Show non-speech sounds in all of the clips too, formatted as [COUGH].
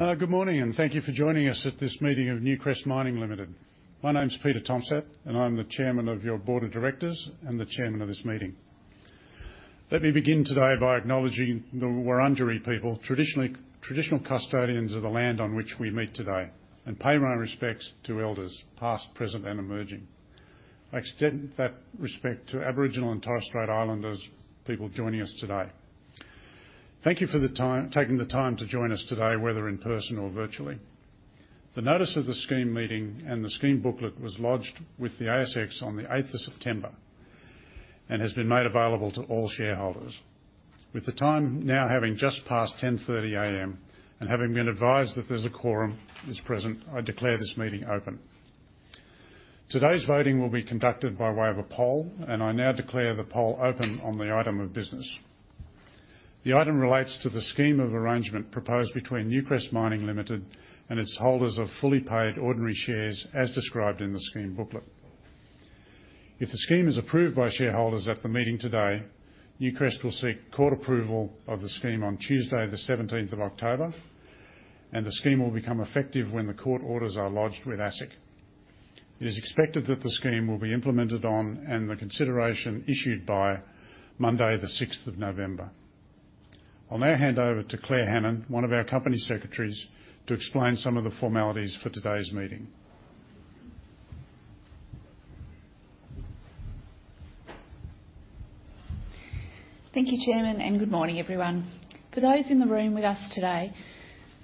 Good morning, and thank you for joining us at this meeting of Newcrest Mining Limited. My name is Peter Tomsett, and I'm the chairman of your board of directors and the chairman of this meeting. Let me begin today by acknowledging the Wurundjeri people, traditional custodians of the land on which we meet today, and pay my respects to elders, past, present, and emerging. I extend that respect to Aboriginal and Torres Strait Islanders people joining us today. Thank you for taking the time to join us today, whether in person or virtually. The notice of the scheme meeting and the scheme booklet was lodged with the ASX on the eighth of September and has been made available to all shareholders. With the time now having just passed 10:30 A.M. and having been advised that a quorum is present, I declare this meeting open. Today's voting will be conducted by way of a poll, and I now declare the poll open on the item of business. The item relates to the scheme of arrangement proposed between Newcrest Mining Limited and its holders of fully paid ordinary shares as described in the scheme booklet. If the scheme is approved by shareholders at the meeting today, Newcrest will seek court approval of the scheme on Tuesday, the seventeenth of October, and the scheme will become effective when the court orders are lodged with ASIC. It is expected that the scheme will be implemented on, and the consideration issued by Monday, the sixth of November. I'll now hand over to Claire Hannon, one of our company secretaries, to explain some of the formalities for today's meeting. Thank you, Chairman, and good morning, everyone. For those in the room with us today,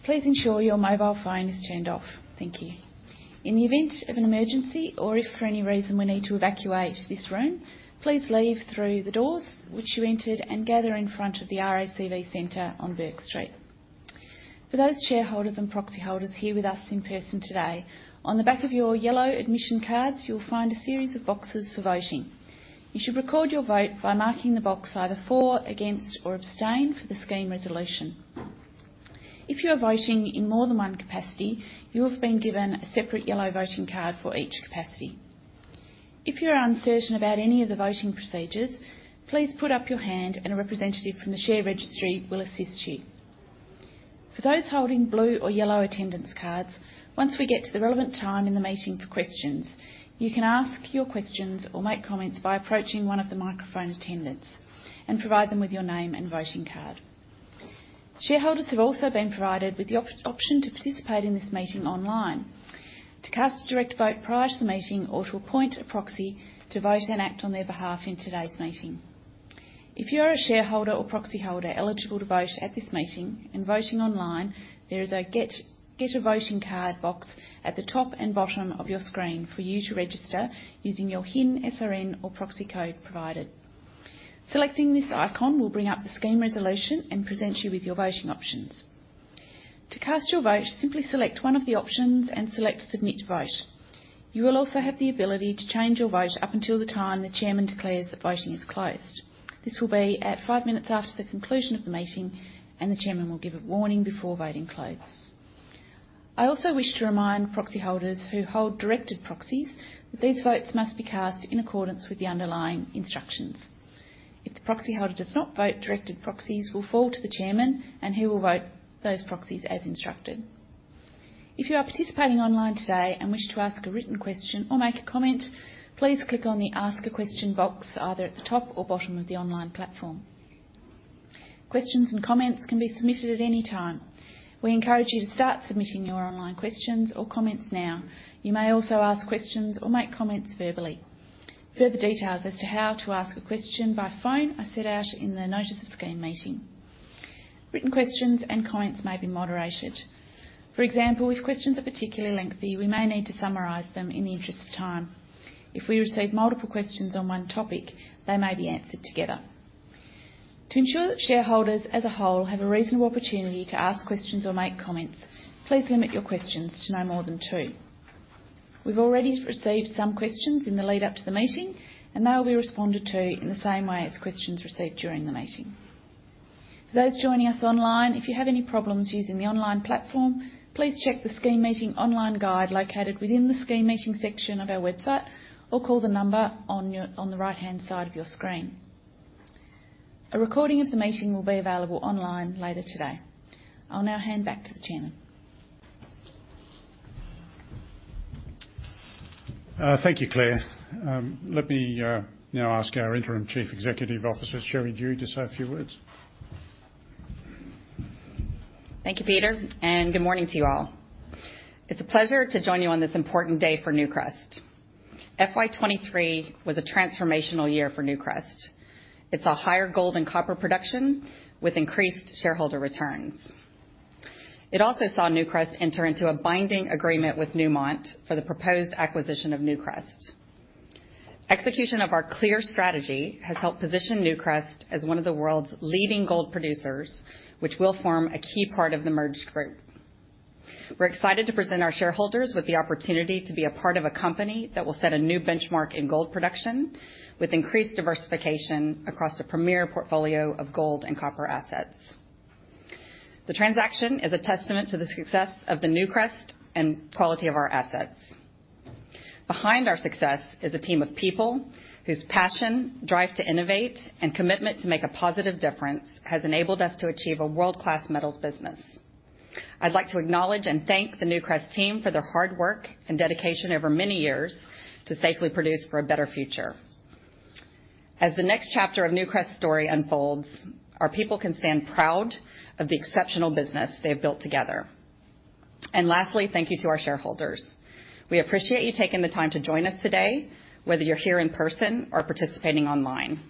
please ensure your mobile phone is turned off. Thank you. In the event of an emergency or if for any reason we need to evacuate this room, please leave through the doors which you entered and gather in front of the RACV Centre on Bourke Street. For those shareholders and proxy holders here with us in person today, on the back of your yellow admission cards, you'll find a series of boxes for voting. You should record your vote by marking the box either for, against, or abstain for the scheme resolution. If you are voting in more than one capacity, you have been given a separate yellow voting card for each capacity. If you're uncertain about any of the voting procedures, please put up your hand, and a representative from the share registry will assist you. For those holding blue or yellow attendance cards, once we get to the relevant time in the meeting for questions, you can ask your questions or make comments by approaching one of the microphone attendants and provide them with your name and voting card. Shareholders have also been provided with the option to participate in this meeting online, to cast a direct vote prior to the meeting, or to appoint a proxy to vote and act on their behalf in today's meeting. If you are a shareholder or proxy holder eligible to vote at this meeting and voting online, there is a get a voting card box at the top and bottom of your screen for you to register using your HIN, SRN, or proxy code provided. Selecting this icon will bring up the scheme resolution and present you with your voting options. To cast your vote, simply select one of the options and select Submit Vote. You will also have the ability to change your vote up until the time the chairman declares that voting is closed. This will be at five minutes after the conclusion of the meeting, and the chairman will give a warning before voting closes. I also wish to remind proxy holders who hold directed proxies that these votes must be cast in accordance with the underlying instructions. If the proxy holder does not vote, directed proxies will fall to the chairman, and he will vote those proxies as instructed. If you are participating online today and wish to ask a written question or make a comment, please click on the Ask a Question box, either at the top or bottom of the online platform. Questions and comments can be submitted at any time. We encourage you to start submitting your online questions or comments now. You may also ask questions or make comments verbally. Further details as to how to ask a question by phone are set out in the notice of scheme meeting. Written questions and comments may be moderated. For example, if questions are particularly lengthy, we may need to summarize them in the interest of time. If we receive multiple questions on one topic, they may be answered together. To ensure that shareholders as a whole have a reasonable opportunity to ask questions or make comments, please limit your questions to no more than two. We've already received some questions in the lead-up to the meeting, and they will be responded to in the same way as questions received during the meeting. For those joining us online, if you have any problems using the online platform, please check the scheme meeting online guide located within the scheme meeting section of our website or call the number on the right-hand side of your screen. A recording of the meeting will be available online later today. I'll now hand back to the chairman. Thank you, Claire. Let me now ask our Interim Chief Executive Officer, Sherry Duhe, to say a few words. Thank you, Peter, and good morning to you all. It's a pleasure to join you on this important day for Newcrest. FY 23 was a transformational year for Newcrest. It saw higher gold and copper production with increased shareholder returns. It also saw Newcrest enter into a binding agreement with Newmont for the proposed acquisition of Newcrest. Execution of our clear strategy has helped position Newcrest as one of the world's leading gold producers, which will form a key part of the merged group. We're excited to present our shareholders with the opportunity to be a part of a company that will set a new benchmark in gold production, with increased diversification across a premier portfolio of gold and copper assets.... The transaction is a testament to the success of the Newcrest and quality of our assets. Behind our success is a team of people whose passion, drive to innovate, and commitment to make a positive difference has enabled us to achieve a world-class metals business. I'd like to acknowledge and thank the Newcrest team for their hard work and dedication over many years to safely produce for a better future. As the next chapter of Newcrest's story unfolds, our people can stand proud of the exceptional business they have built together. And lastly, thank you to our shareholders. We appreciate you taking the time to join us today, whether you're here in person or participating online.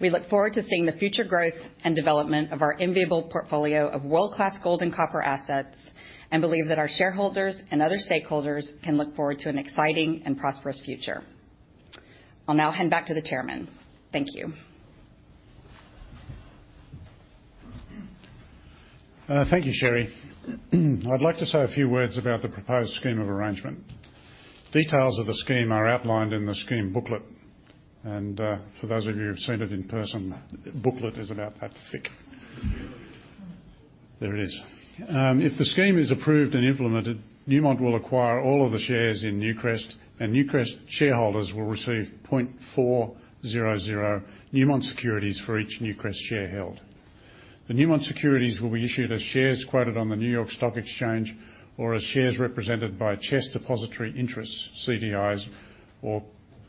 We look forward to seeing the future growth and development of our enviable portfolio of world-class gold and copper assets, and believe that our shareholders and other stakeholders can look forward to an exciting and prosperous future. I'll now hand back to the chairman. Thank you. Thank you, Sherry. I'd like to say a few words about the proposed scheme of arrangement. Details of the scheme are outlined in the scheme booklet, and, for those of you who've seen it in person, the booklet is about that thick. There it is. If the scheme is approved and implemented, Newmont will acquire all of the shares in Newcrest, and Newcrest shareholders will receive 0.400 Newmont securities for each Newcrest share held. The Newmont securities will be issued as shares quoted on the New York Stock Exchange, or as shares represented by CHESS Depositary Interests, CDIs, or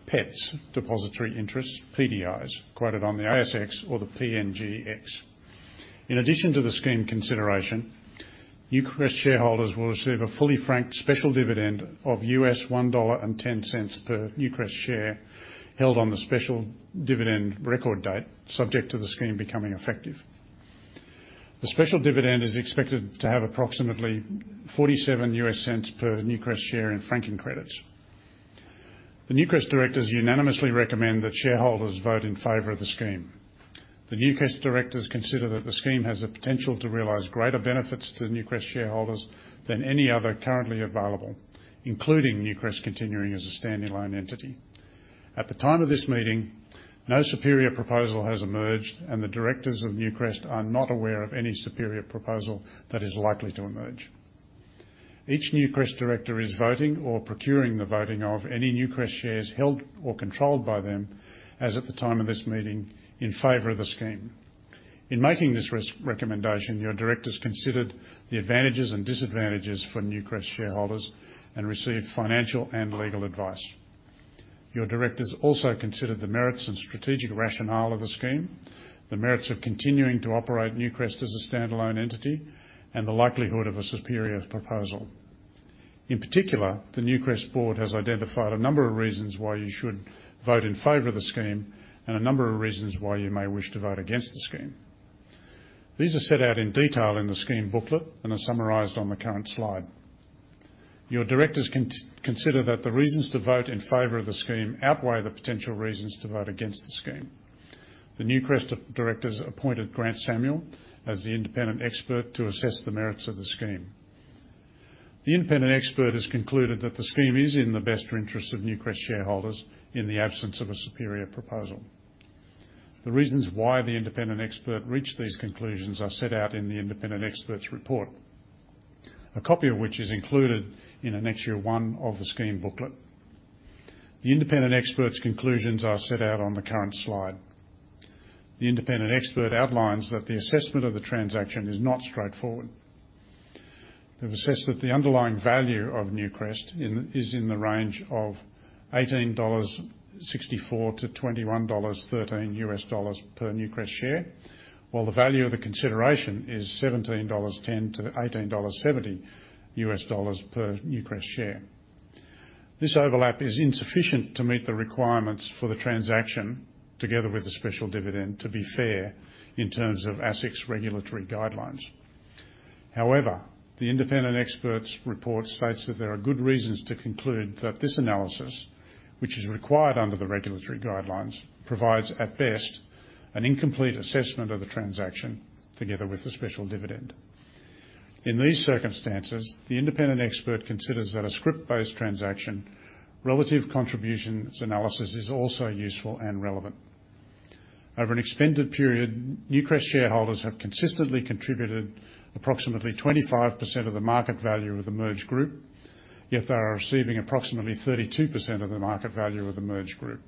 PETS Depository Interests, PDIs, quoted on the ASX or the PNGX. In addition to the scheme consideration, Newcrest shareholders will receive a fully franked special dividend of $1.10 per Newcrest share held on the special dividend record date, subject to the scheme becoming effective. The special dividend is expected to have approximately $0.47 per Newcrest share in franking credits. The Newcrest directors unanimously recommend that shareholders vote in favor of the scheme. The Newcrest directors consider that the scheme has the potential to realize greater benefits to Newcrest shareholders than any other currently available, including Newcrest continuing as a standalone entity. At the time of this meeting, no superior proposal has emerged, and the directors of Newcrest are not aware of any superior proposal that is likely to emerge. Each Newcrest director is voting or procuring the voting of any Newcrest shares held or controlled by them, as at the time of this meeting, in favor of the scheme. In making this recommendation, your directors considered the advantages and disadvantages for Newcrest shareholders and received financial and legal advice. Your directors also considered the merits and strategic rationale of the scheme, the merits of continuing to operate Newcrest as a standalone entity, and the likelihood of a superior proposal. In particular, the Newcrest board has identified a number of reasons why you should vote in favor of the scheme and a number of reasons why you may wish to vote against the scheme. These are set out in detail in the scheme booklet and are summarized on the current slide. Your directors consider that the reasons to vote in favor of the scheme outweigh the potential reasons to vote against the scheme. The Newcrest directors appointed Grant Samuel as the independent expert to assess the merits of the scheme. The independent expert has concluded that the scheme is in the best interest of Newcrest shareholders in the absence of a superior proposal. The reasons why the independent expert reached these conclusions are set out in the independent expert's report, a copy of which is included in Annexure 1 of the scheme booklet. The independent expert's conclusions are set out on the current slide. The independent expert outlines that the assessment of the transaction is not straightforward. They've assessed that the underlying value of Newcrest is in the range of $18.64-$21.13 per Newcrest share, while the value of the consideration is $17.10-$18.70 per Newcrest share. This overlap is insufficient to meet the requirements for the transaction, together with the special dividend, to be fair in terms of ASIC's regulatory guidelines. However, the independent expert's report states that there are good reasons to conclude that this analysis, which is required under the regulatory guidelines, provides, at best, an incomplete assessment of the transaction together with the special dividend. In these circumstances, the independent expert considers that a scrip-based transaction relative contributions analysis is also useful and relevant. Over an extended period, Newcrest shareholders have consistently contributed approximately 25% of the market value of the merged group, yet they are receiving approximately 32% of the market value of the merged group.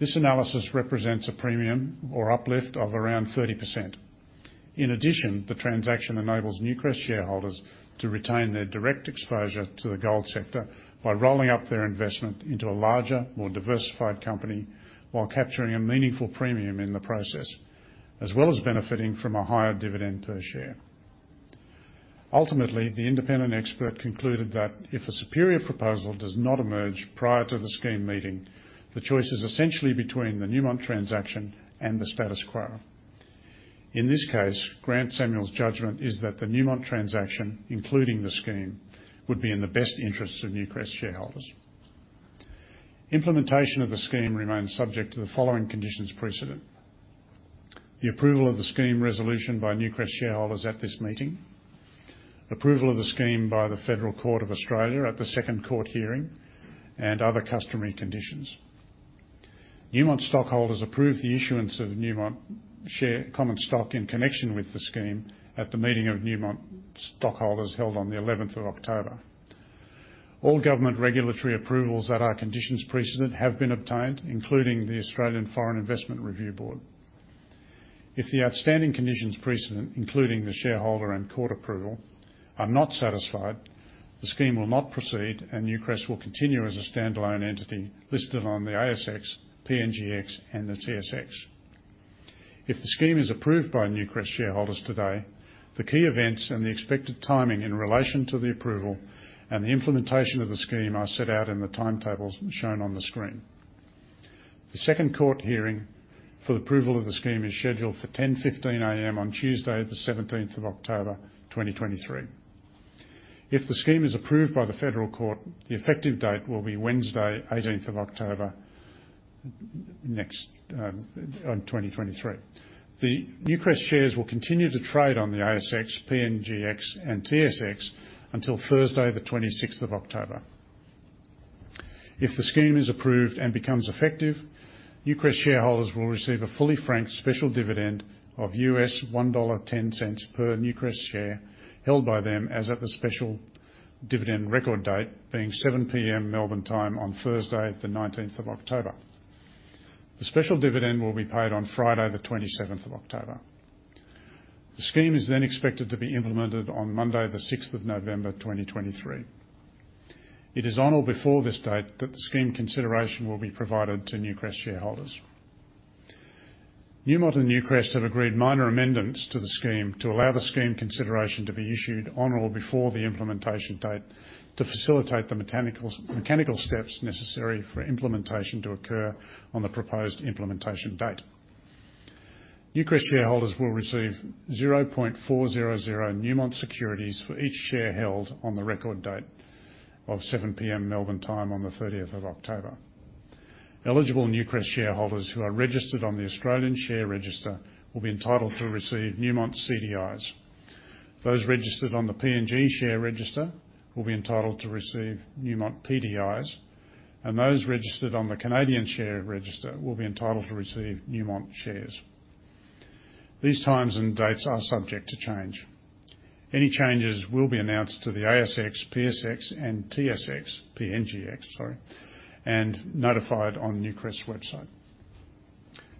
This analysis represents a premium or uplift of around 30%. In addition, the transaction enables Newcrest shareholders to retain their direct exposure to the gold sector by rolling up their investment into a larger, more diversified company, while capturing a meaningful premium in the process, as well as benefiting from a higher dividend per share. Ultimately, the independent expert concluded that if a superior proposal does not emerge prior to the scheme meeting, the choice is essentially between the Newmont transaction and the status quo. In this case, Grant Samuel's judgment is that the Newmont transaction, including the scheme, would be in the best interests of Newcrest shareholders. Implementation of the scheme remains subject to the following conditions precedent: The approval of the scheme resolution by Newcrest shareholders at this meeting, approval of the scheme by the Federal Court of Australia at the second court hearing, and other customary conditions.... Newmont stockholders approved the issuance of Newmont share common stock in connection with the scheme at the meeting of Newmont stockholders held on the eleventh of October. All government regulatory approvals that are conditions precedent have been obtained, including the Australian Foreign Investment Review Board. If the outstanding conditions precedent, including the shareholder and court approval, are not satisfied, the scheme will not proceed, and Newcrest will continue as a standalone entity listed on the ASX, PNGX, and the TSX. If the scheme is approved by Newcrest shareholders today, the key events and the expected timing in relation to the approval and the implementation of the scheme are set out in the timetables shown on the screen. The second court hearing for the approval of the scheme is scheduled for 10:15 A.M. on Tuesday, the 17th of October, 2023. If the scheme is approved by the Federal Court, the effective date will be Wednesday, 18th of October, next, on 2023. The Newcrest shares will continue to trade on the ASX, PNGX, and TSX until Thursday, the 26th of October. If the scheme is approved and becomes effective, Newcrest shareholders will receive a fully franked special dividend of $1.10 per Newcrest share held by them as at the special dividend record date, being 7:00 P.M. Melbourne time on Thursday, the nineteenth of October. The special dividend will be paid on Friday, the twenty-seventh of October. The scheme is then expected to be implemented on Monday, the sixth of November, 2023. It is on or before this date that the scheme consideration will be provided to Newcrest shareholders. Newmont and Newcrest have agreed minor amendments to the scheme to allow the scheme consideration to be issued on or before the implementation date to facilitate the mechanical steps necessary for implementation to occur on the proposed implementation date. Newcrest shareholders will receive 0.400 Newmont securities for each share held on the record date of 7:00 P.M. Melbourne time on the thirtieth of October. Eligible Newcrest shareholders who are registered on the Australian Share Register will be entitled to receive Newmont CDIs. Those registered on the PNG Share Register will be entitled to receive Newmont PDIs, and those registered on the Canadian Share Register will be entitled to receive Newmont shares. These times and dates are subject to change. Any changes will be announced to the ASX, PSX, and TSX—PNGX, sorry, and notified on Newcrest's website.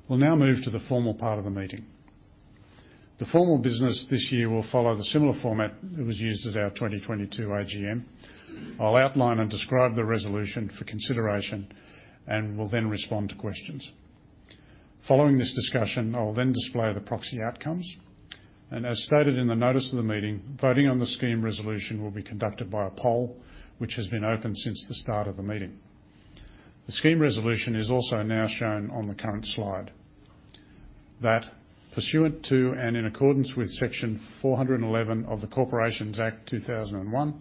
We'll now move to the formal part of the meeting. The formal business this year will follow the similar format that was used at our 2022 AGM. I'll outline and describe the resolution for consideration and will then respond to questions. Following this discussion, I'll then display the proxy outcomes, and as stated in the notice of the meeting, voting on the scheme resolution will be conducted by a poll, which has been open since the start of the meeting. The scheme resolution is also now shown on the current slide. That pursuant to, and in accordance with Section 411 of the Corporations Act 2001,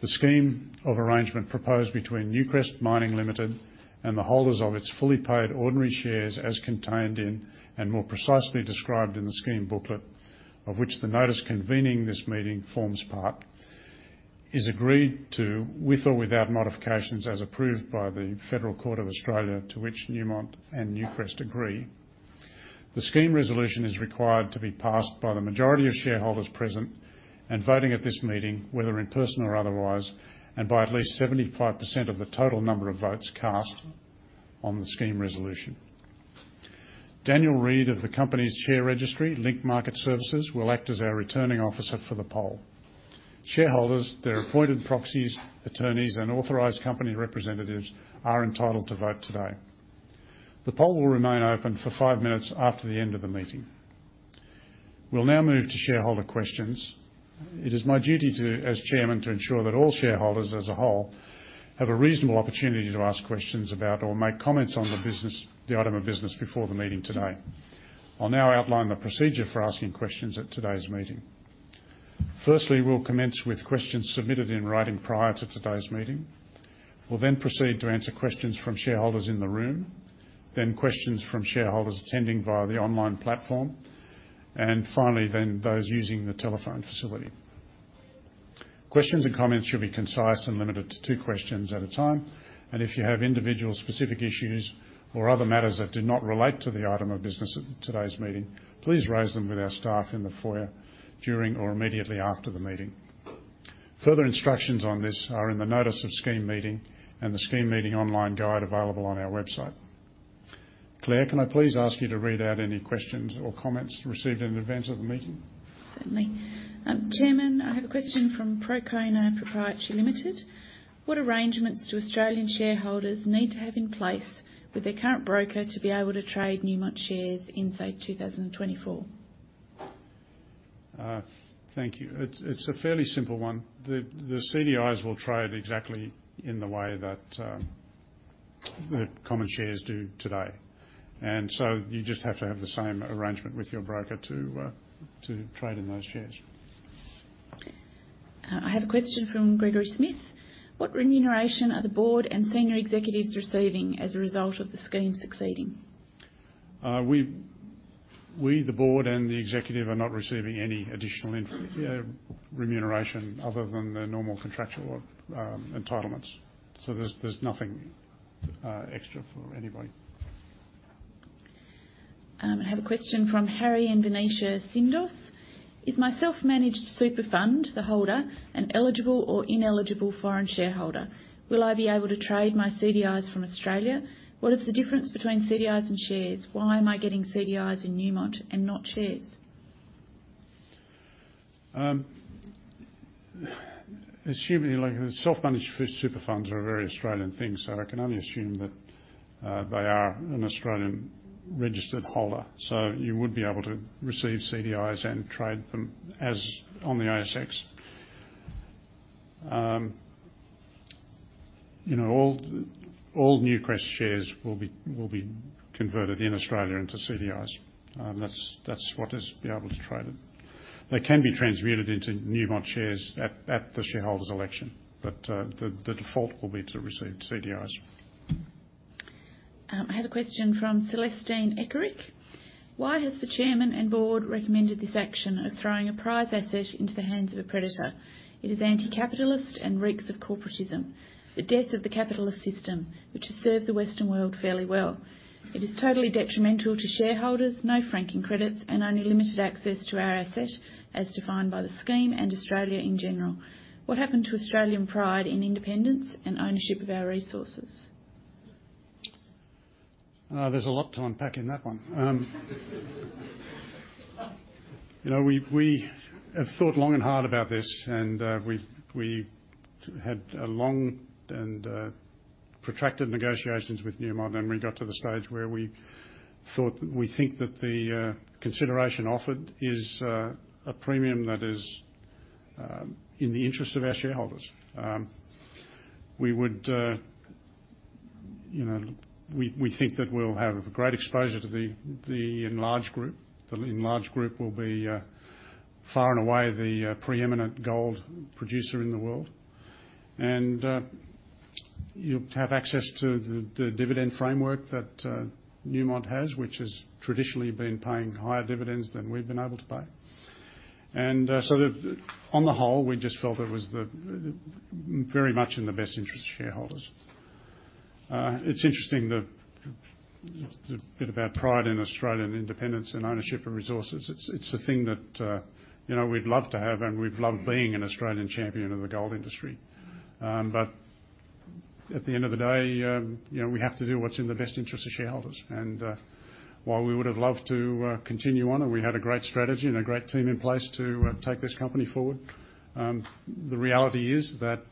the scheme of arrangement proposed between Newcrest Mining Limited and the holders of its fully paid ordinary shares as contained in, and more precisely described in the scheme booklet, of which the notice convening this meeting forms part, is agreed to, with or without modifications, as approved by the Federal Court of Australia, to which Newmont and Newcrest agree. The scheme resolution is required to be passed by the majority of shareholders present and voting at this meeting, whether in person or otherwise, and by at least 75% of the total number of votes cast on the scheme resolution. Daniel Reid of the company's share registry, Link Market Services, will act as our Returning Officer for the poll. Shareholders, their appointed proxies, attorneys, and authorized company representatives are entitled to vote today. The poll will remain open for 5 minutes after the end of the meeting. We'll now move to shareholder questions. It is my duty, as Chairman, to ensure that all shareholders as a whole have a reasonable opportunity to ask questions about or make comments on the business, the item of business, before the meeting today. I'll now outline the procedure for asking questions at today's meeting. Firstly, we'll commence with questions submitted in writing prior to today's meeting. We'll then proceed to answer questions from shareholders in the room, then questions from shareholders attending via the online platform, and finally, then those using the telephone facility. Questions and comments should be concise and limited to two questions at a time, and if you have individual specific issues or other matters that do not relate to the item of business at today's meeting, please raise them with our staff in the foyer during or immediately after the meeting. Further instructions on this are in the notice of scheme meeting and the scheme meeting online guide available on our website. Claire, can I please ask you to read out any questions or comments received in advance of the meeting? Certainly. Chairman, I have a question from Procona Proprietary Limited. What arrangements do Australian shareholders need to have in place with their current broker to be able to trade Newmont shares in, say, 2024? Thank you. It's a fairly simple one. The CDIs will trade exactly in the way that the common shares do today, and so you just have to have the same arrangement with your broker to trade in those shares. I have a question from Gregory Smith: What remuneration are the board and senior executives receiving as a result of the scheme succeeding?... We, the board and the executive, are not receiving any additional remuneration other than the normal contractual entitlements. So there's nothing extra for anybody. I have a question from Harry and Venetia Sindos: Is my self-managed super fund, the holder, an eligible or ineligible foreign shareholder? Will I be able to trade my CDIs from Australia? What is the difference between CDIs and shares? Why am I getting CDIs in Newmont and not shares? Assuming, like, the self-managed super funds are a very Australian thing, so I can only assume that they are an Australian-registered holder. So you would be able to receive CDIs and trade them as on the ASX. You know, all Newcrest shares will be converted in Australia into CDIs. That's what'll be able to trade it. They can be transmuted into Newmont shares at the shareholder's election, but the default will be to receive CDIs. I have a question from Celestine Eckerick: Why has the chairman and board recommended this action of throwing a prize asset into the hands of a predator? It is anti-capitalist and reeks of corporatism, the death of the capitalist system, which has served the Western world fairly well. It is totally detrimental to shareholders, no Franking Credits, and only limited access to our asset, as defined by the scheme and Australia in general. What happened to Australian pride in independence and ownership of our resources? There's a lot to unpack in that one. You know, we have thought long and hard about this, and we've had a long and protracted negotiations with Newmont. And we got to the stage where we think that the consideration offered is a premium that is in the interest of our shareholders. We would, you know... We think that we'll have great exposure to the enlarged group. The enlarged group will be far and away the preeminent gold producer in the world. And you'll have access to the dividend framework that Newmont has, which has traditionally been paying higher dividends than we've been able to pay. And so, on the whole, we just felt it was very much in the best interest of shareholders. It's interesting, the bit about pride in Australian independence and ownership of resources. It's a thing that, you know, we'd love to have, and we've loved being an Australian champion of the gold industry. But at the end of the day, you know, we have to do what's in the best interest of shareholders. And while we would have loved to continue on, and we had a great strategy and a great team in place to take this company forward, the reality is that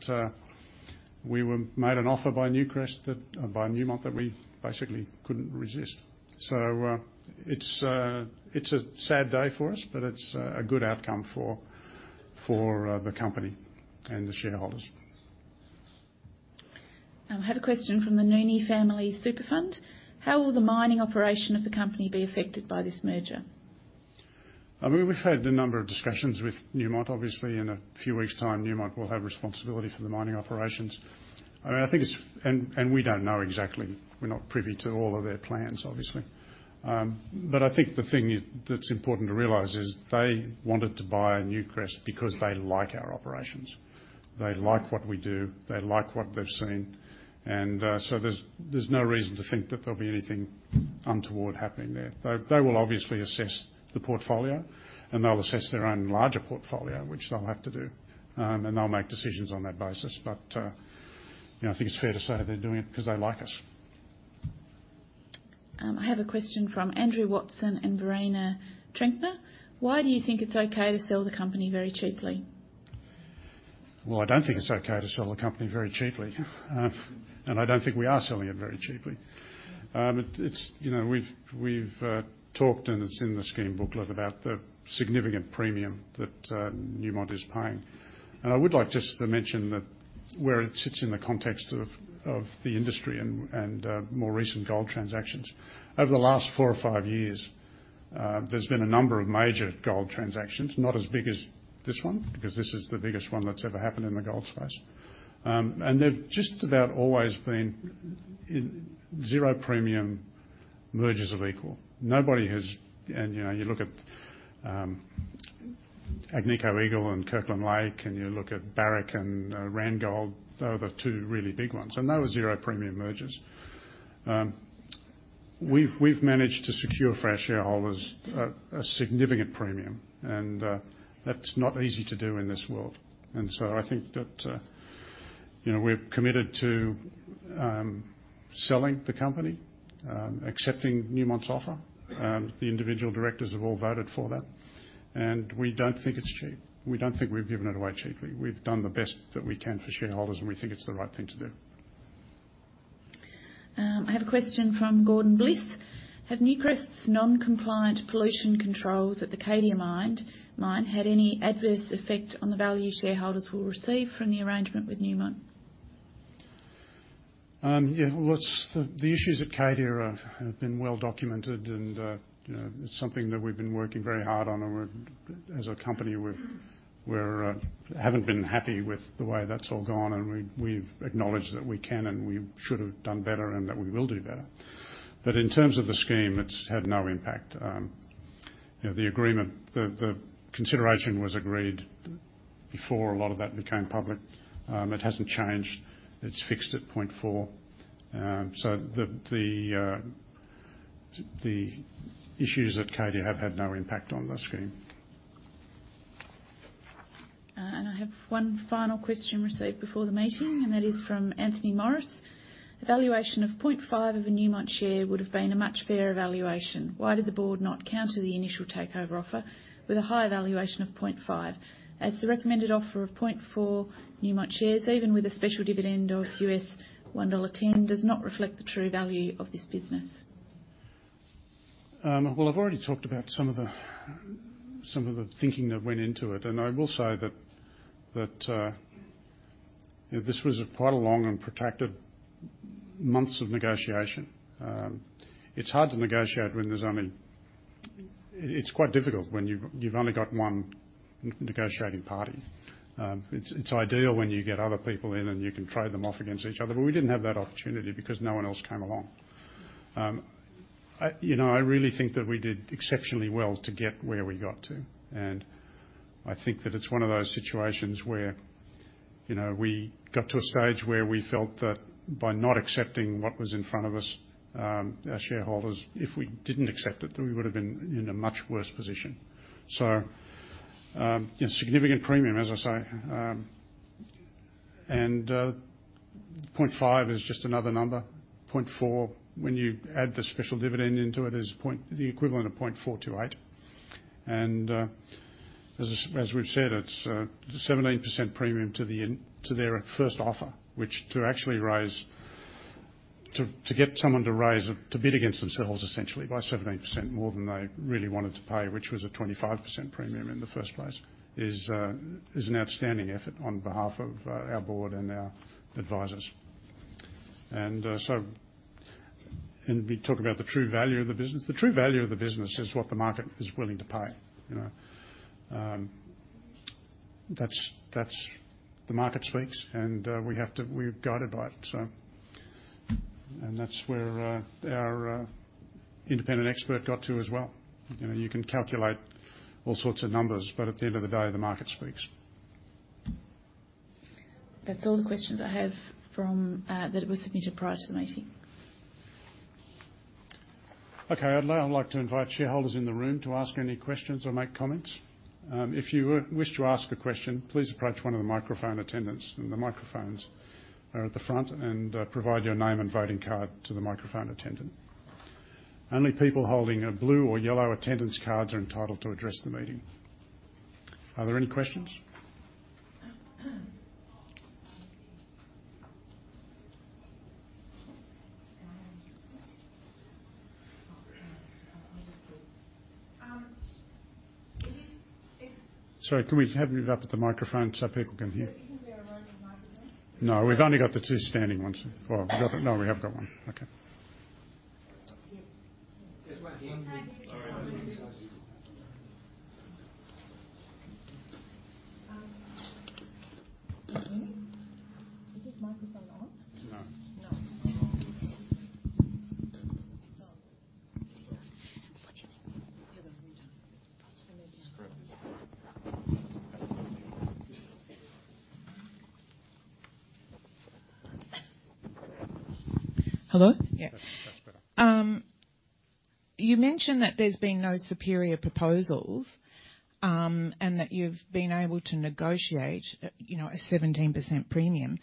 we were made an offer by Newcrest, that by Newmont, that we basically couldn't resist. So it's a sad day for us, but it's a good outcome for the company and the shareholders. I have a question from the Noone Family Super Fund: How will the mining operation of the company be affected by this merger? I mean, we've had a number of discussions with Newmont. Obviously, in a few weeks' time, Newmont will have responsibility for the mining operations. I mean, I think it's... we don't know exactly. We're not privy to all of their plans, obviously. I think the thing that's important to realize is they wanted to buy Newcrest because they like our operations. They like what we do, they like what they've seen, and, so there's no reason to think that there'll be anything untoward happening there. They will obviously assess the portfolio, and they'll assess their own larger portfolio, which they'll have to do, and they'll make decisions on that basis. I think it's fair to say they're doing it because they like us. I have a question from Andrew Watson and Verena Trenkner: Why do you think it's okay to sell the company very cheaply? Well, I don't think it's okay to sell the company very cheaply, and I don't think we are selling it very cheaply. It's, you know, we've talked, and it's in the scheme booklet about the significant premium that Newmont is paying. And I would like just to mention that where it sits in the context of the industry and more recent gold transactions. Over the last four or five years, there's been a number of major gold transactions, not as big as this one, because this is the biggest one that's ever happened in the gold space. And they've just about always been in zero-premium mergers of equal. Nobody has... And, you know, you look at Agnico Eagle and Kirkland Lake, and you look at Barrick and Randgold. They're the two really big ones, and they were zero-premium mergers. We've managed to secure for our shareholders a significant premium, and that's not easy to do in this world. And so I think that, you know, we're committed to selling the company, accepting Newmont's offer. The individual directors have all voted for that, and we don't think it's cheap. We don't think we've given it away cheaply. We've done the best that we can for shareholders, and we think it's the right thing to do. I have a question from Gordon Bliss: Have Newcrest's non-compliant pollution controls at the Cadia Mine had any adverse effect on the value shareholders will receive from the arrangement with Newmont? Yeah, well, that's the, the issues at Cadia are, have been well documented, and, you know, it's something that we've been working very hard on. And we're, as a company, we're, we're, haven't been happy with the way that's all gone, and we, we've acknowledged that we can and we should have done better and that we will do better. But in terms of the scheme, it's had no impact. You know, the agreement, the, the consideration was agreed before a lot of that became public. It hasn't changed. It's fixed at 0.4. So the, the, the issues at Cadia have had no impact on the scheme. I have one final question received before the meeting, and that is from Anthony Morris. "A valuation of 0.5 of a Newmont share would have been a much fairer valuation. Why did the board not counter the initial takeover offer with a higher valuation of 0.5, as the recommended offer of 0.4 Newmont shares, even with a special dividend of $1.10, does not reflect the true value of this business? Well, I've already talked about some of the thinking that went into it, and I will say that you know, this was quite a long and protracted months of negotiation. It's hard to negotiate when there's only... It's quite difficult when you've only got one negotiating party. It's ideal when you get other people in, and you can trade them off against each other, but we didn't have that opportunity because no one else came along. I, you know, I really think that we did exceptionally well to get where we got to, and I think that it's one of those situations where, you know, we got to a stage where we felt that by not accepting what was in front of us, our shareholders, if we didn't accept it, that we would've been in a much worse position. So, a significant premium, as I say, and 0.5 is just another number. 0.4, when you add the special dividend into it, is the equivalent of 0.428. And, as we've said, it's a 17% premium to their first offer, which to actually raise, to get someone to raise it, to bid against themselves essentially by 17% more than they really wanted to pay, which was a 25% premium in the first place, is an outstanding effort on behalf of our board and our advisors. And we talk about the true value of the business. The true value of the business is what the market is willing to pay, you know? That's the market speaks, and we're guided by it, so. And that's where our independent expert got to as well. You know, you can calculate all sorts of numbers, but at the end of the day, the market speaks. That's all the questions I have from that were submitted prior to the meeting. Okay. I'd like to invite shareholders in the room to ask any questions or make comments. If you wish to ask a question, please approach one of the microphone attendants, and the microphones are at the front, and provide your name and voting card to the microphone attendant. Only people holding a blue or yellow attendance cards are entitled to address the meeting. Are there any questions? It is [INAUDIBLE] Sorry, can we have you up at the microphone so people can hear? You think there are roaming microphones? No, we've only got the two standing ones. Well, we've got... No, we have got one. Okay. There's one here. Is this microphone on? No. No. It's on. What do you think? Hello? Yeah. That's better. You mentioned that there's been no superior proposals, and that you've been able to negotiate, you know, a 17% premium.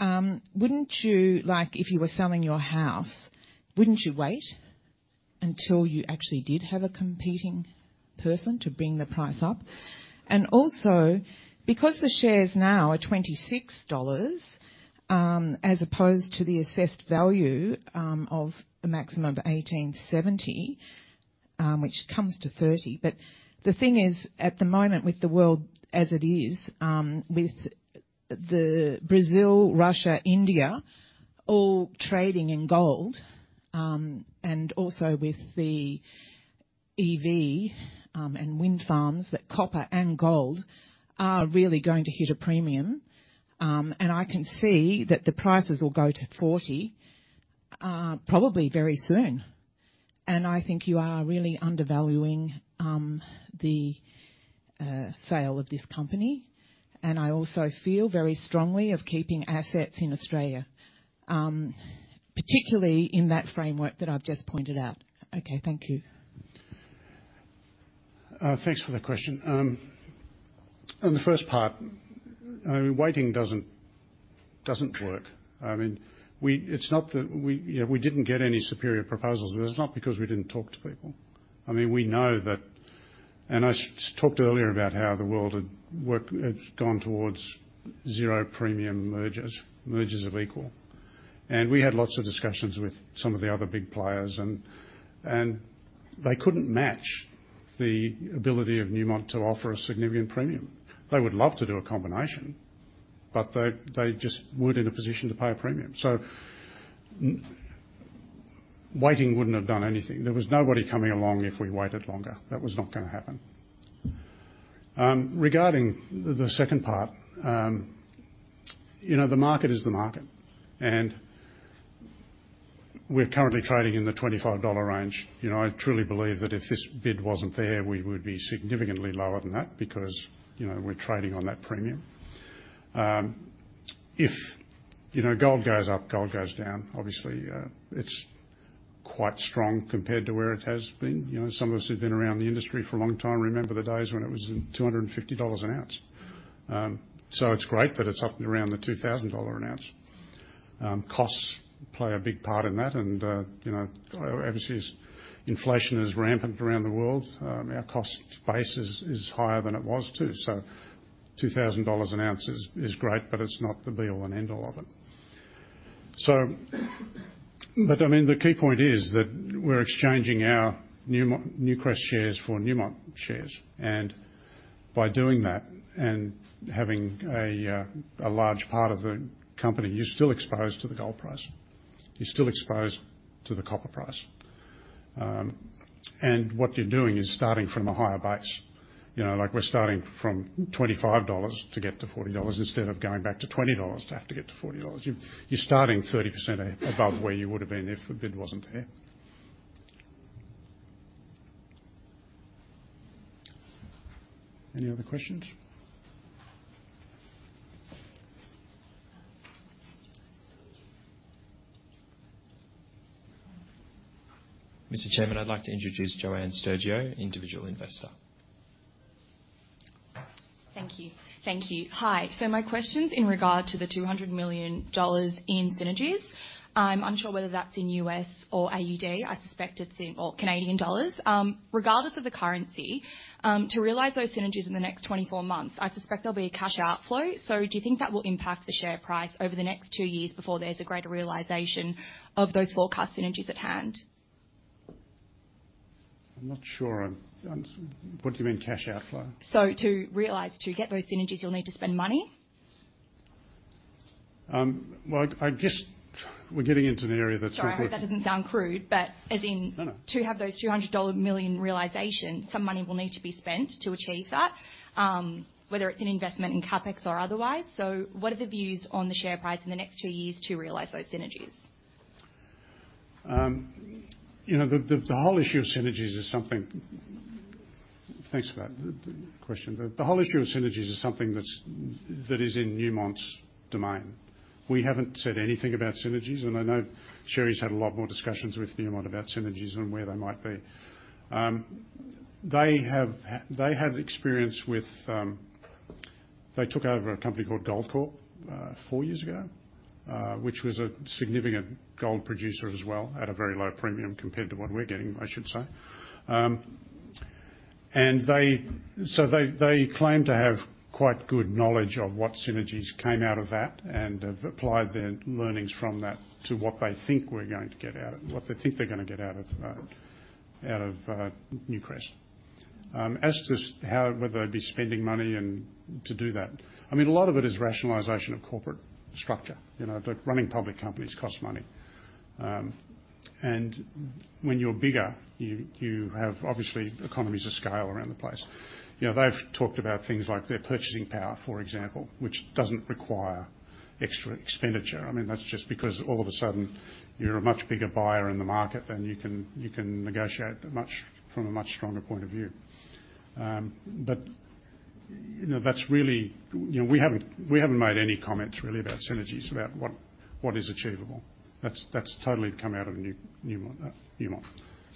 Wouldn't you, like, if you were selling your house, wouldn't you wait until you actually did have a competing person to bring the price up? Also, because the shares now are $26, as opposed to the assessed value of a maximum of $18.70, which comes to $30. The thing is, at the moment, with the world as it is, with Brazil, Russia, India, all trading in gold, and also with the EV, and wind farms, that copper and gold are really going to hit a premium. I can see that the prices will go to 40, probably very soon, and I think you are really undervaluing the sale of this company, and I also feel very strongly of keeping assets in Australia, particularly in that framework that I've just pointed out. Okay, thank you. Thanks for the question. On the first part, I mean, waiting doesn't work. I mean, we. It's not that we, you know, we didn't get any superior proposals, but it's not because we didn't talk to people. I mean, we know that, and I talked earlier about how the world had worked, had gone towards zero premium mergers, mergers of equal. And we had lots of discussions with some of the other big players, and they couldn't match the ability of Newmont to offer a significant premium. They would love to do a combination, but they just weren't in a position to pay a premium. So, waiting wouldn't have done anything. There was nobody coming along if we waited longer. That was not gonna happen. Regarding the second part, you know, the market is the market, and-... We're currently trading in the 25 dollar range. You know, I truly believe that if this bid wasn't there, we would be significantly lower than that because, you know, we're trading on that premium. If, you know, gold goes up, gold goes down. Obviously, it's quite strong compared to where it has been. You know, some of us who've been around the industry for a long time remember the days when it was $250 an ounce. So it's great that it's up around the $2,000 an ounce. Costs play a big part in that, and, you know, obviously, as inflation is rampant around the world, our cost base is higher than it was, too. So $2,000 an ounce is great, but it's not the be-all and end-all of it. I mean, the key point is that we're exchanging our Newcrest shares for Newmont shares, and by doing that and having a large part of the company, you're still exposed to the gold price. You're still exposed to the copper price. And what you're doing is starting from a higher base. You know, like, we're starting from 25 dollars to get to 40 dollars instead of going back to 20 dollars to have to get to 40 dollars. You're starting 30% above where you would have been if the bid wasn't there. Any other questions? Mr. Chairman, I'd like to introduce Joanne Sergio, individual investor. Thank you. Thank you. Hi. So my question's in regard to the $200 million in synergies. I'm unsure whether that's in U.S. or AUD. I suspect it's in... or Canadian dollars. Regardless of the currency, to realize those synergies in the next 24 months, I suspect there'll be a cash outflow. So do you think that will impact the share price over the next 2 years before there's a greater realization of those forecast synergies at hand? I'm not sure I'm... What do you mean, cash outflow? So to realize, to get those synergies, you'll need to spend money. Well, I guess we're getting into an area that's- Sorry if that doesn't sound crude, but as in- No, no. To have those $200 million realization, some money will need to be spent to achieve that, whether it's an investment in CapEx or otherwise. So what are the views on the share price in the next two years to realize those synergies? You know, the whole issue of synergies is something... Thanks for that question. The whole issue of synergies is something that's that is in Newmont's domain. We haven't said anything about synergies, and I know Sherry's had a lot more discussions with Newmont about synergies and where they might be. They had experience with... They took over a company called Goldcorp four years ago, which was a significant gold producer as well, at a very low premium compared to what we're getting, I should say. And they, they claim to have quite good knowledge of what synergies came out of that and have applied their learnings from that to what they think we're going to get out of, what they think they're gonna get out of, out of Newcrest. As to how, whether they'd be spending money and to do that, I mean, a lot of it is rationalization of corporate structure. You know, but running public companies costs money. When you're bigger, you, you have obviously economies of scale around the place. You know, they've talked about things like their purchasing power, for example, which doesn't require extra expenditure. I mean, that's just because all of a sudden, you're a much bigger buyer in the market, and you can, you can negotiate much, from a much stronger point of view. You know, that's really... You know, we haven't, we haven't made any comments really about synergies, about what, what is achievable. That's, that's totally come out of Newmont.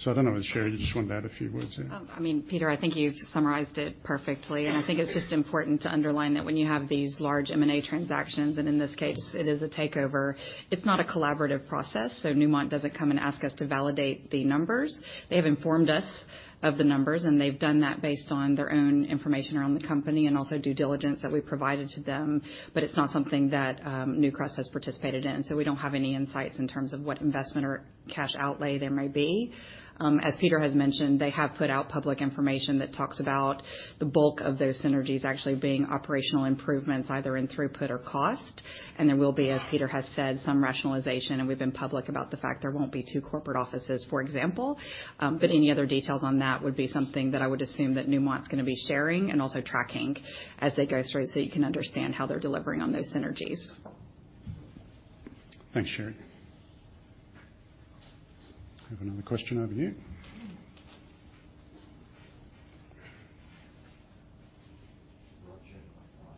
So I don't know whether, Sherry, you just want to add a few words here? I mean, Peter, I think you've summarized it perfectly. I think it's just important to underline that when you have these large M&A transactions, and in this case, it is a takeover, it's not a collaborative process. Newmont doesn't come and ask us to validate the numbers. They have informed us of the numbers, and they've done that based on their own information around the company and also due diligence that we provided to them. But it's not something that, Newcrest has participated in, so we don't have any insights in terms of what investment or cash outlay there may be. As Peter has mentioned, they have put out public information that talks about the bulk of those synergies actually being operational improvements either in throughput or cost, and there will be, as Peter has said, some rationalization, and we've been public about the fact there won't be two corporate offices, for example. But any other details on that would be something that I would assume that Newmont's gonna be sharing and also tracking as they go through, so you can understand how they're delivering on those synergies. Thanks, Sherry. I have another question over here. Roger Fyfe.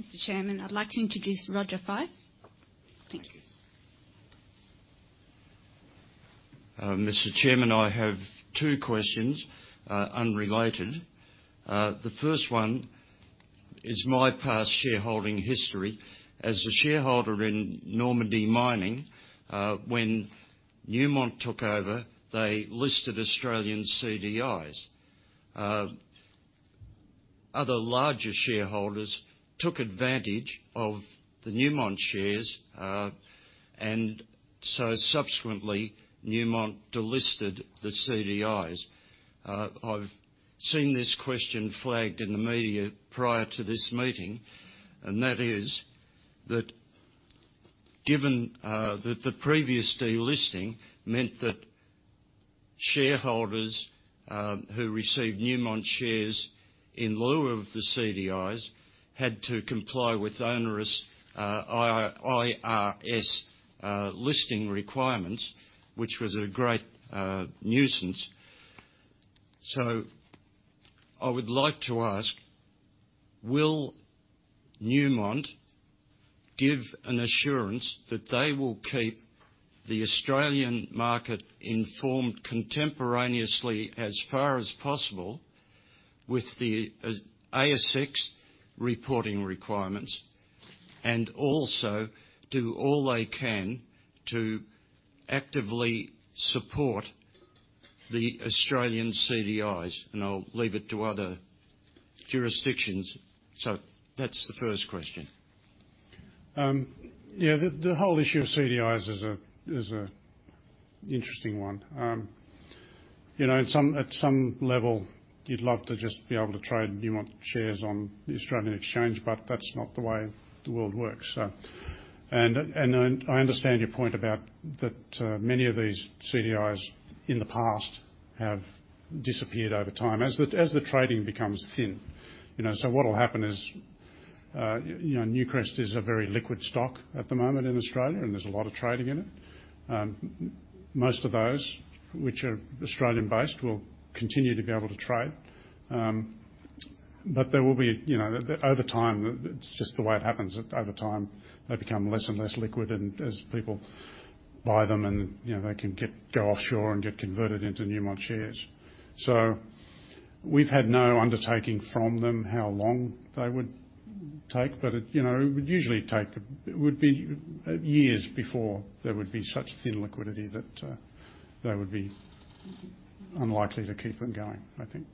Mr. Chairman, I'd like to introduce Roger Fyfe. Thank you. Mr. Chairman, I have two questions, unrelated. The first one is my past shareholding history. As a shareholder in Normandy Mining, when Newmont took over, they listed Australian CDIs. Other larger shareholders took advantage of the Newmont shares, and so subsequently, Newmont delisted the CDIs. I've seen this question flagged in the media prior to this meeting, and that is, given that the previous delisting meant that shareholders who received Newmont shares in lieu of the CDIs had to comply with onerous IRS listing requirements, which was a great nuisance. So I would like to ask, will Newmont give an assurance that they will keep the Australian market informed contemporaneously, as far as possible, with the ASX reporting requirements, and also do all they can to actively support the Australian CDIs? I'll leave it to other jurisdictions. That's the first question. Yeah, the whole issue of CDIs is a interesting one. You know, in some at some level, you'd love to just be able to trade Newmont shares on the Australian Exchange, but that's not the way the world works, so. And I understand your point about that, many of these CDIs, in the past, have disappeared over time as the trading becomes thin. You know, so what will happen is, you know, Newcrest is a very liquid stock at the moment in Australia, and there's a lot of trading in it. Most of those which are Australian-based will continue to be able to trade. But there will be, you know, over time, it's just the way it happens, over time, they become less and less liquid, and as people buy them, and, you know, they can get, go offshore and get converted into Newmont shares. So we've had no undertaking from them, how long they would take, but it, you know, it would usually take, it would be, years before there would be such thin liquidity that, they would be unlikely to keep them going, I think.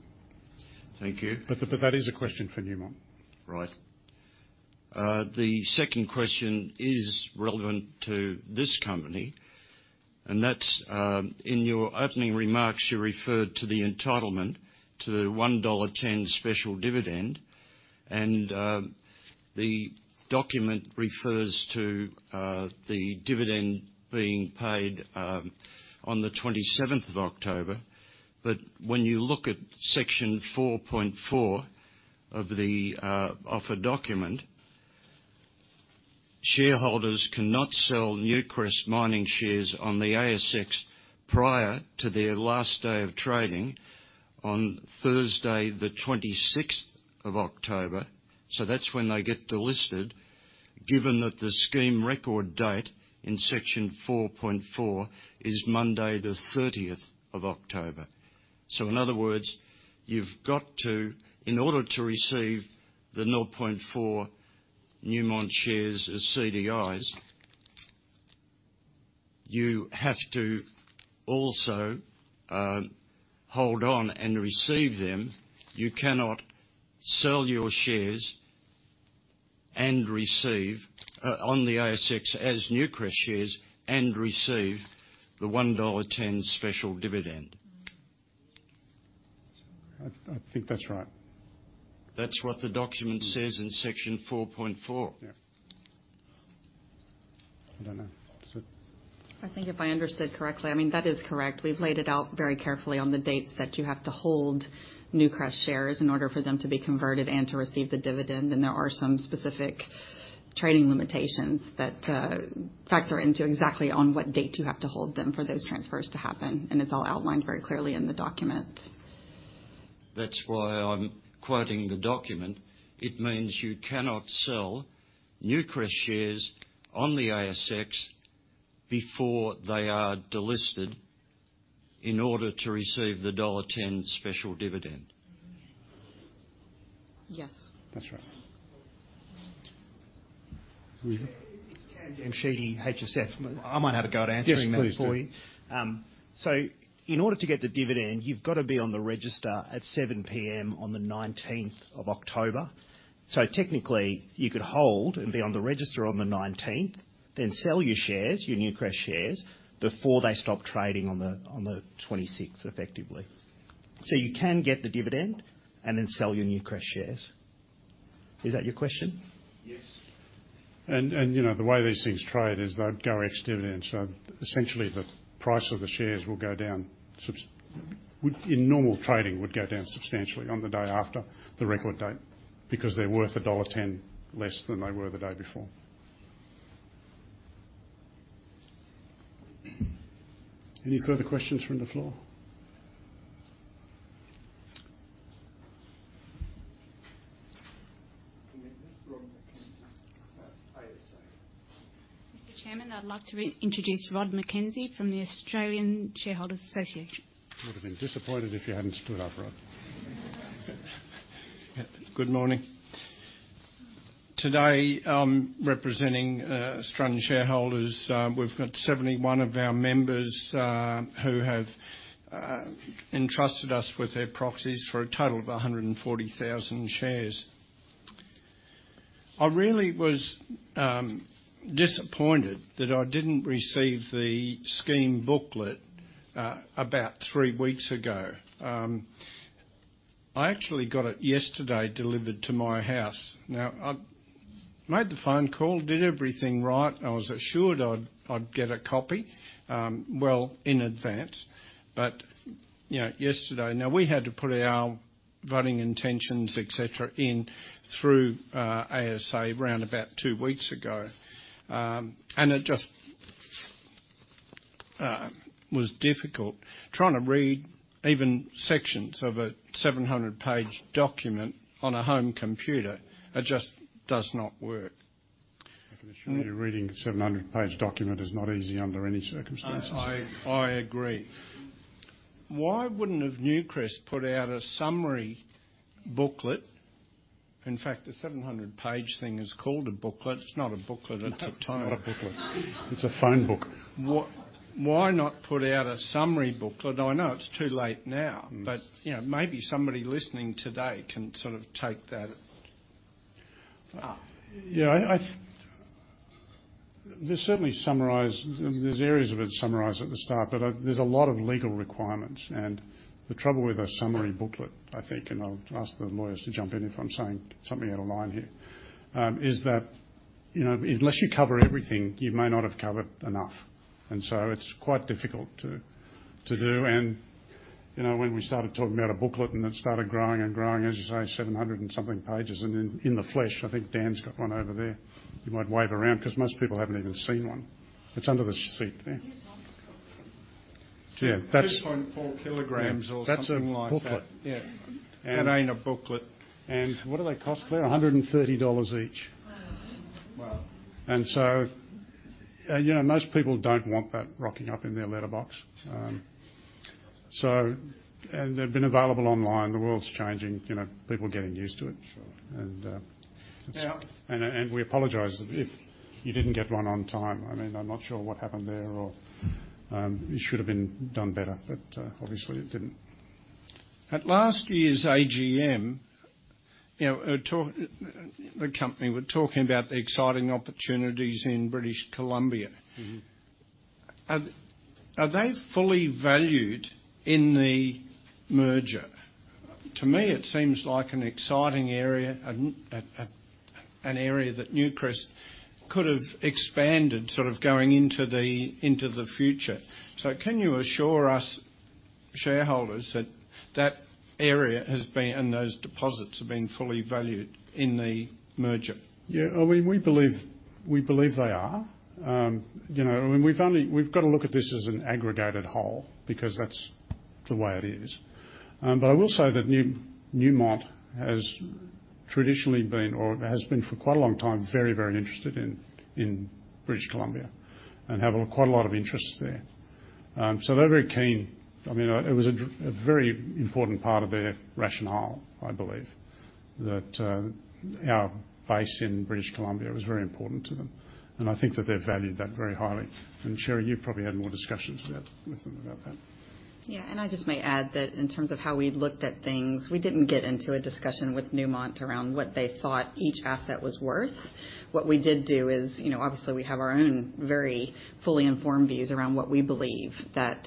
Thank you. But that is a question for Newmont. Right. The second question is relevant to this company, and that's, in your opening remarks, you referred to the entitlement to the $1.10 special dividend, and, the document refers to, the dividend being paid, on the twenty-seventh of October. But when you look at Section 4.4 of the, offer document, shareholders cannot sell Newcrest Mining shares on the ASX prior to their last day of trading on Thursday, the twenty-sixth of October. So that's when they get delisted, given that the scheme record date in Section 4.4 is Monday, the thirtieth of October. So in other words, you've got to, in order to receive the 0.4 Newmont shares as CDIs, you have to also, hold on and receive them. You cannot sell your shares and receive, on the ASX as Newcrest shares and receive the $1.10 special dividend. I think that's right. That's what the document says in Section 4.4. Yeah. I don't know. So- I think if I understood correctly, I mean, that is correct. We've laid it out very carefully on the dates that you have to hold Newcrest shares in order for them to be converted and to receive the dividend, and there are some specific trading limitations that factor into exactly on what date you have to hold them for those transfers to happen, and it's all outlined very clearly in the document. That's why I'm quoting the document. It means you cannot sell Newcrest shares on the ASX before they are delisted in order to receive the $1.10 special dividend. Mm-hmm. Yes. That's right. It's Kam Jamshidi, HSF. I might have a go at answering that for you. Yes, please do. So in order to get the dividend, you've got to be on the register at 7 P.M. on the nineteenth of October. So technically, you could hold and be on the register on the nineteenth, then sell your shares, your Newcrest shares, before they stop trading on the twenty-sixth, effectively. So you can get the dividend and then sell your Newcrest shares. Is that your question? Yes. You know, the way these things trade is they'd go ex-dividend. So essentially, the price of the shares will go down in normal trading, would go down substantially on the day after the record date, because they're worth $1.10 less than they were the day before. Any further questions from the floor? Mr. Chairman, I'd like to reintroduce Rod Mackenzie from the Australian Shareholders Association. Would have been disappointed if you hadn't stood up, Rod. Good morning. Today, I'm representing Australian shareholders. We've got 71 of our members who have entrusted us with their proxies for a total of 140,000 shares. I really was disappointed that I didn't receive the scheme booklet about three weeks ago. I actually got it yesterday delivered to my house. Now, I made the phone call, did everything right. I was assured I'd get a copy well in advance. But, you know, yesterday. Now, we had to put our voting intentions, et cetera, in through ASA around about two weeks ago. And it just was difficult trying to read even sections of a 700-page document on a home computer. It just does not work. I can assure you, reading a 700-page document is not easy under any circumstances. I, I agree. Why wouldn't have Newcrest put out a summary booklet? In fact, the 700-page thing is called a booklet. It's not a booklet. It's a tome. It's not a booklet. It's a phone book. Why not put out a summary booklet? I know it's too late now, but, you know, maybe somebody listening today can sort of take that... Yeah, They're certainly summarized. There's areas of it summarized at the start, but there's a lot of legal requirements. And the trouble with a summary booklet, I think, and I'll ask the lawyers to jump in if I'm saying something out of line here, is that, you know, unless you cover everything, you may not have covered enough, and so it's quite difficult to do. And, you know, when we started talking about a booklet and it started growing and growing, as you say, 700-something pages, and in the flesh, I think Dan's got one over there. He might wave around because most people haven't even seen one. It's under the seat there. Yeah. Yeah, that's- 2.4 kilograms or something like that. That's a booklet. Yeah. And- It ain't a booklet. What do they cost, Claire? 130 dollars each. Wow! Wow. And so, you know, most people don't want that rocking up in their letterbox. So... And they've been available online. The world's changing, you know, people are getting used to it. Sure. We apologize if you didn't get one on time. I mean, I'm not sure what happened there, or it should have been done better, but obviously, it didn't. At last year's AGM, you know, the company were talking about the exciting opportunities in British Columbia. Mm-hmm. Are they fully valued in the merger? To me, it seems like an exciting area and an area that Newcrest could have expanded, sort of, going into the future. So can you assure us shareholders that that area has been, and those deposits, have been fully valued in the merger? Yeah, I mean, we believe, we believe they are. You know, and we've got to look at this as an aggregated whole, because that's the way it is. But I will say that Newmont has traditionally been, or has been for quite a long time, very, very interested in British Columbia and have quite a lot of interests there. So they're very keen. I mean, it was a very important part of their rationale, I believe, that our base in British Columbia was very important to them, and I think that they valued that very highly. And, Sherry, you've probably had more discussions with them about that. Yeah, and I just may add that in terms of how we looked at things, we didn't get into a discussion with Newmont around what they thought each asset was worth. What we did do is, you know, obviously, we have our own very fully informed views around what we believe that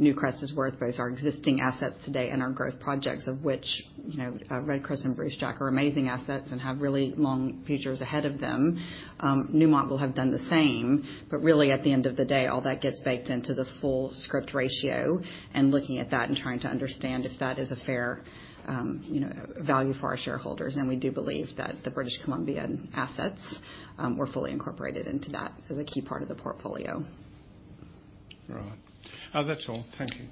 Newcrest is worth, both our existing assets today and our growth projects, of which, you know, Red Chris and Brucejack are amazing assets and have really long futures ahead of them. Newmont will have done the same, but really, at the end of the day, all that gets baked into the full scrip ratio and looking at that and trying to understand if that is a fair, you know, value for our shareholders. And we do believe that the British Columbian assets were fully incorporated into that. So the key part of the portfolio. Right. That's all. Thank you.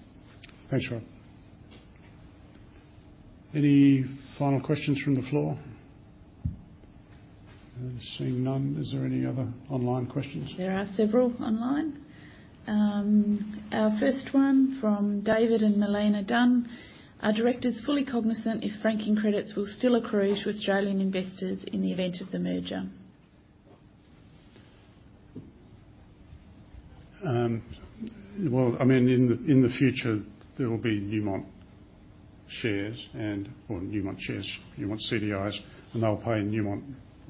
Thanks, Rob. Any final questions from the floor? I'm seeing none. Is there any other online questions? There are several online. Our first one from David and Elena Dunn: Are directors fully cognizant if Franking Credits will still accrue to Australian investors in the event of the merger? Well, I mean, in the future, there will be Newmont shares and... Well, Newmont shares, Newmont CDIs, and they'll pay Newmont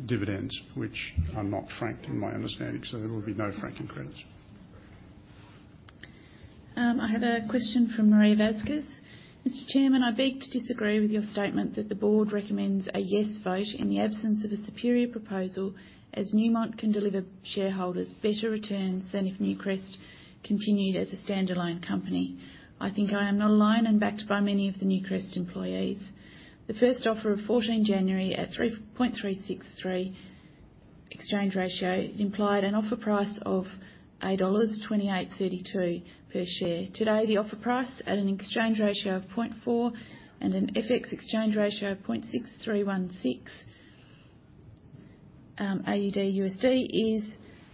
dividends, which are not franked, in my understanding, so there will be no franking credits. I have a question from Maria Perez: Mr. Chairman, I beg to disagree with your statement that the board recommends a "yes" vote in the absence of a superior proposal, as Newmont can deliver shareholders better returns than if Newcrest continued as a standalone company. I think I am not alone and backed by many of the Newcrest employees. The first offer of 14 January at 0.363 exchange ratio implied an offer price of dollars 28.32 per share. Today, the offer price at an exchange ratio of 0.4 and an FX exchange ratio of 0.6316 AUD/USD is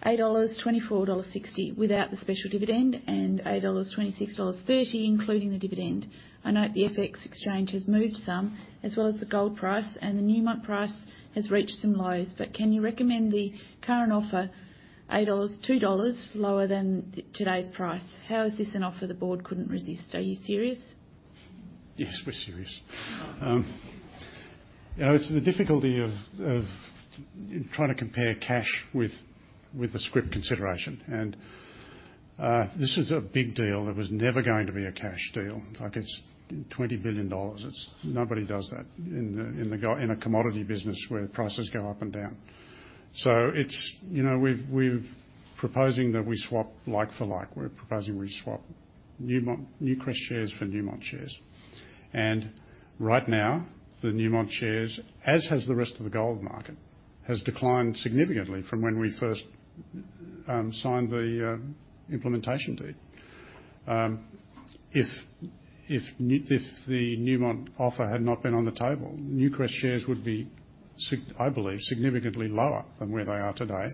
24.60 dollars without the special dividend and 26.30 dollars including the dividend. I note the FX exchange has moved some, as well as the gold price, and the Newmont price has reached some lows. But can you recommend the current offer, 8 dollars, 2 dollars lower than today's price? How is this an offer the board couldn't resist? Are you serious? Yes, we're serious. You know, it's the difficulty of, of, in trying to compare cash with, with the scrip consideration. And this is a big deal. It was never going to be a cash deal. Like, it's $20 billion. It's nobody does that in the, in the gold, in a commodity business where prices go up and down. So it's, you know, we've proposing that we swap like for like. We're proposing we swap Newcrest shares for Newmont shares. And right now, the Newmont shares, as has the rest of the gold market, has declined significantly from when we first signed the implementation deed. If the Newmont offer had not been on the table, Newcrest shares would be, I believe, significantly lower than where they are today,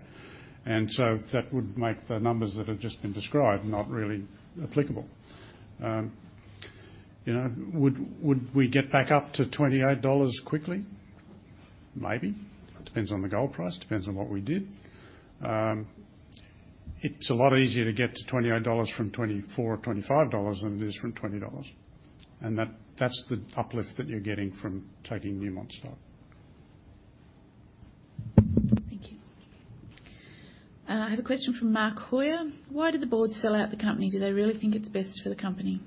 and so that would make the numbers that have just been described not really applicable. You know, would we get back up to 28 dollars quickly? Maybe. Depends on the gold price, depends on what we did. It's a lot easier to get to 28 dollars from 24 or 25 dollars than it is from 20 dollars, and that's the uplift that you're getting from taking Newmont's stock. Thank you. I have a question from Mark Hoyer: "Why did the board sell out the company? Do they really think it's best for the company?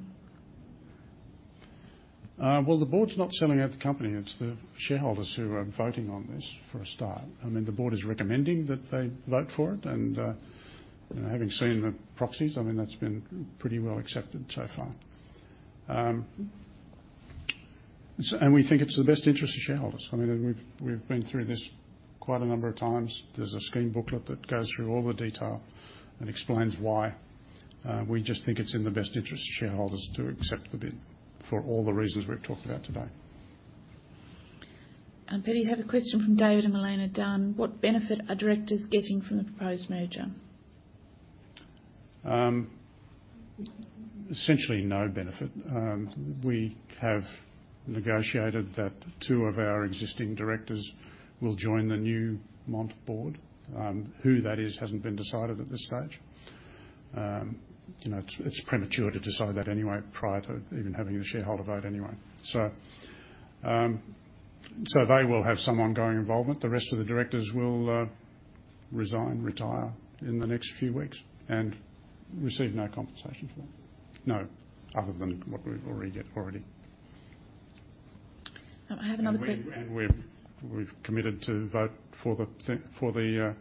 Well, the board's not selling out the company. It's the shareholders who are voting on this for a start. I mean, the board is recommending that they vote for it, and, you know, having seen the proxies, I mean, that's been pretty well accepted so far. And we think it's in the best interest of shareholders. I mean, we've been through this quite a number of times. There's a scheme booklet that goes through all the detail and explains why, we just think it's in the best interest of shareholders to accept the bid for all the reasons we've talked about today. Perry, I have a question from David and Elena Dunn: "What benefit are directors getting from the proposed merger? Essentially no benefit. We have negotiated that two of our existing directors will join the Newmont board. Who that is hasn't been decided at this stage. You know, it's premature to decide that anyway, prior to even having a shareholder vote anyway. So, they will have some ongoing involvement. The rest of the directors will resign, retire in the next few weeks and receive no compensation for that. No other than what we already get. I have another que- And we've committed to vote for the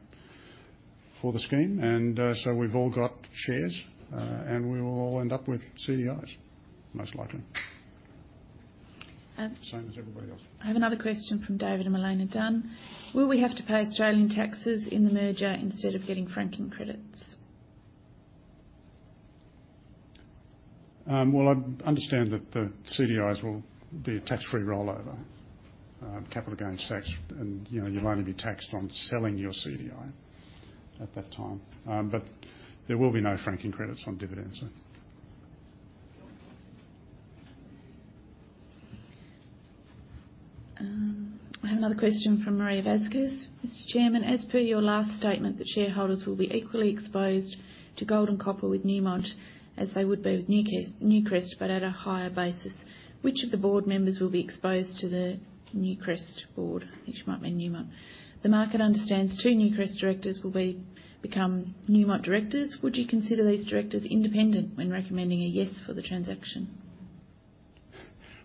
scheme, and so we've all got shares, and we will all end up with CDIs, most likely. Um- Same as everybody else. I have another question from David and Elena Dunn: "Will we have to pay Australian taxes in the merger instead of getting Franking Credits? Well, I understand that the CDIs will be a tax-free rollover, capital gains tax, and, you know, you'll only be taxed on selling your CDI at that time. But there will be no franking credits on dividends, so... I have another question from Maria Vazquez: "Mr. Chairman, as per your last statement, the shareholders will be equally exposed to gold and copper with Newmont as they would be with Newcrest, but at a higher basis. Which of the board members will be exposed to the Newcrest board?" Which might mean Newmont. "The market understands two Newcrest directors will become Newmont directors. Would you consider these directors independent when recommending a yes for the transaction?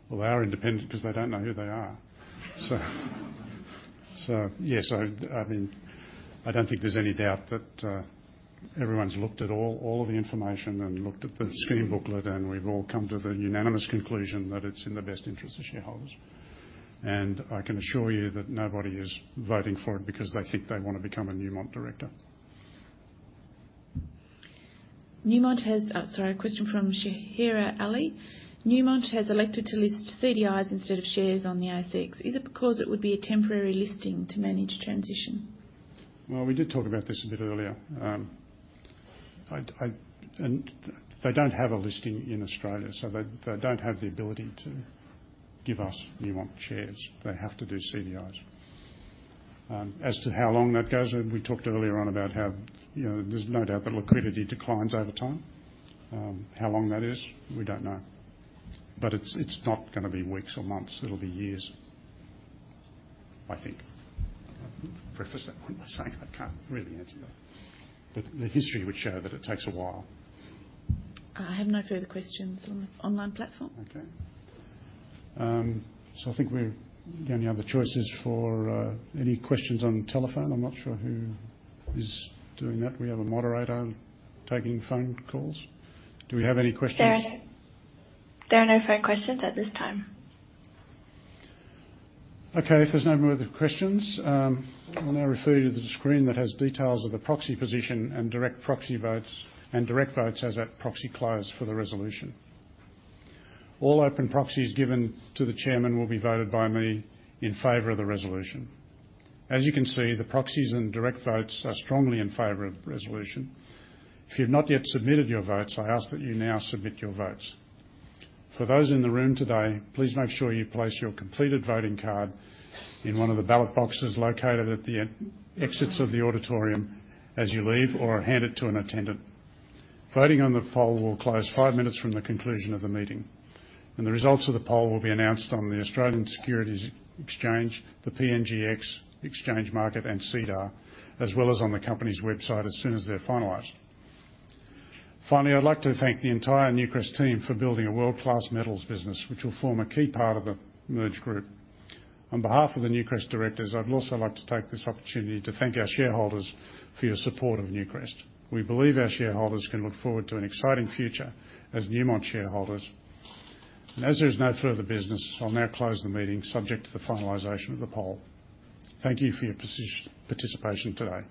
Well, they are independent because they don't know who they are. So, yes, I mean, I don't think there's any doubt that everyone's looked at all of the information and looked at the scheme booklet, and we've all come to the unanimous conclusion that it's in the best interest of shareholders. And I can assure you that nobody is voting for it because they think they want to become a Newmont director. Newmont has... sorry, a question from Shahira Ali: "Newmont has elected to list CDIs instead of shares on the ASX. Is it because it would be a temporary listing to manage transition? Well, we did talk about this a bit earlier. And they don't have a listing in Australia, so they don't have the ability to give us Newmont shares. They have to do CDIs. As to how long that goes, we talked earlier on about how, you know, there's no doubt that liquidity declines over time. How long that is, we don't know. But it's not gonna be weeks or months. It'll be years, I think. Preface that one by saying I can't really answer that, but the history would show that it takes a while. I have no further questions on the online platform. Okay. So I think the only other choice is for any questions on telephone. I'm not sure who is doing that. We have a moderator taking phone calls. Do we have any questions? There are no phone questions at this time. Okay, if there's no more further questions, I'll now refer you to the screen that has details of the proxy position and direct proxy votes, and direct votes as at proxy close for the resolution. All open proxies given to the chairman will be voted by me in favor of the resolution. As you can see, the proxies and direct votes are strongly in favor of the resolution. If you've not yet submitted your votes, I ask that you now submit your votes. For those in the room today, please make sure you place your completed voting card in one of the ballot boxes located at the exits of the auditorium as you leave or hand it to an attendant. Voting on the poll will close five minutes from the conclusion of the meeting, and the results of the poll will be announced on the Australian Securities Exchange, the PNGX Exchange Market, and SEDAR, as well as on the company's website as soon as they're finalized. Finally, I'd like to thank the entire Newcrest team for building a world-class metals business, which will form a key part of the merged group. On behalf of the Newcrest directors, I'd also like to take this opportunity to thank our shareholders for your support of Newcrest. We believe our shareholders can look forward to an exciting future as Newmont shareholders. And as there is no further business, I'll now close the meeting, subject to the finalization of the poll. Thank you for your participation today.